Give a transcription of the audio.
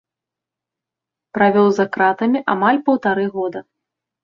Правёў за кратамі амаль паўтары года.